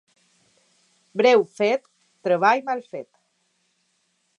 Breu fet, treball mal fet.